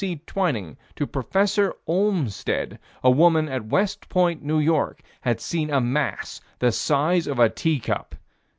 C. Twining to Prof. Olmstead, a woman at West Point, N.Y., had seen a mass the size of a teacup.